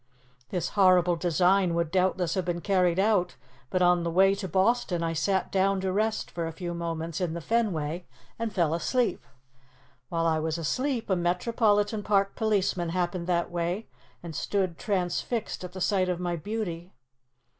"This horrible design would doubtless have been carried out, but on the way to Boston I sat down to rest for a few moments in the Fenway and fell asleep. While I was asleep, a Metropolitan Park policeman happened that way, and stood transfixed at the sight of my beauty.